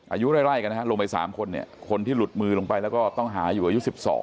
อายุไล่กันนะฮะลงไป๓คนเนี่ยคนที่หลุดมือลงไปแล้วก็ต้องหาอยู่อายุ๑๒